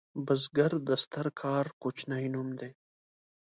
بزګر د ستر کار کوچنی نوم دی